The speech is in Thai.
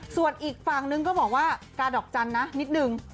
ส่วนอีกฝั่งนึงก็บอกว่ากาดอกจันทร์นะนิดนึง